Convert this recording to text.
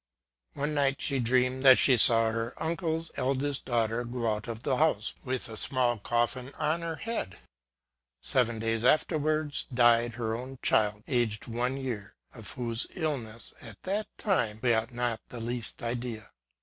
One night she dreamt that she saw her uncle's eldest daughter go out of the house with a small coffin on her head : seven days afterwards died her own child, aged one year, of whose illness, at that time, we had not the least idea.